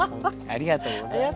ありがとうございます。